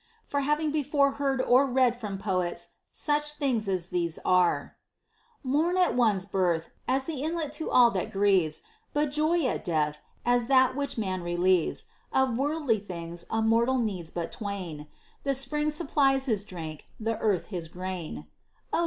For having before heard or read from poets such things as these are, — Mourn at one's birth, as th' inlet t' all that grieves ; But joy at death, as that which man relieves; Of worldly things a mortal needs hut twain ; The spring supplies his drink, the earth his grain : 94 HOW A YOUNG MAN OUGHT TO HEAR POEMS.